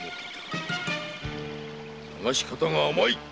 探し方が甘い！